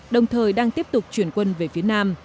đồng thời đang tiếp tục chuyển quân về phía nam